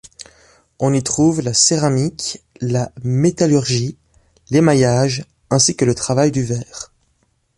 On y trouve la céramique, la métallurgie, l'émaillage, ainsi que le travail du verre.